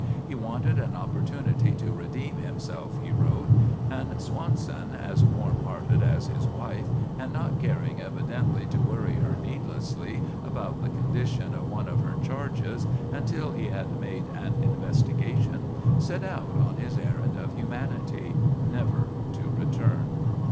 He wanted an opportunity to redeem himself, he wrote; and Swanson, as warm hearted as his wife, and not caring evidently to worry her needlessly about the condition of one of her charges until he had made an investigation, set out on his errand of humanity, never to return.